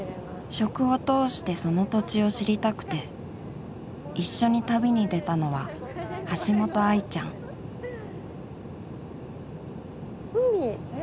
食を通してその土地を知りたくて一緒に旅に出たのは橋本愛ちゃん海。